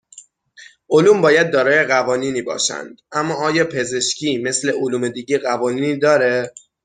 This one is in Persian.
علوم باید دارای قوانینی باشند. اما آیا پزشکی مثل علوم دیگه قوانینی داره؟